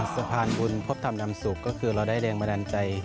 สะพานบุญพบธรรมดำสุกก็คือเราได้เรียนแบนดั่นใจ